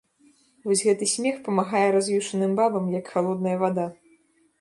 Вось гэты смех памагае раз'юшаным бабам, як халодная вада.